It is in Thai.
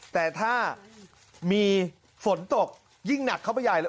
แต่ถ้ามีฝนตกยิ่งหนักเข้าไปใหญ่เลย